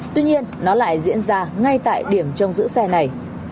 tuy nhiên nó lại diễn ra ngay tại điểm trông giữ xe này